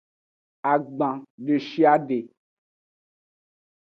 Agban deshiade.